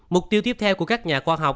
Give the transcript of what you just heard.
mục tiêu tiếp theo của các nhà khoa học